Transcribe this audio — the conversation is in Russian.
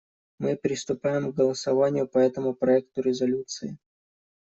Мы приступаем к голосованию по этому проекту резолюции.